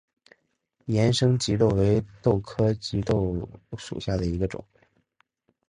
盐生棘豆为豆科棘豆属下的一个种。